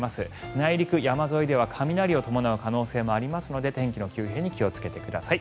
内陸山沿いでは雷を伴う可能性もありますので天気の急変に気をつけてください。